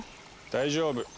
大丈夫。